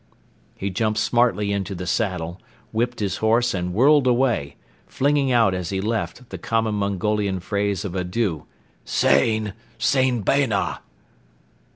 He jumped smartly into the saddle, whipped his horse and whirled away, flinging out as he left the common Mongolian phrase of adieu: "Sayn! Sayn bayna!"